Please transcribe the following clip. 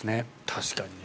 確かにね。